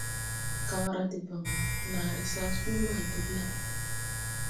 Kaŋ ra deban wa, naaré sasu ma Dugla.